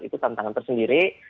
itu tantangan tersendiri